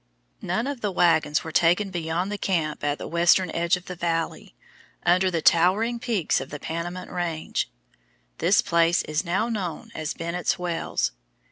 None of the wagons were taken beyond the camp at the western edge of the valley, under the towering peaks of the Panamint Range. This place is now known as Bennett's Wells.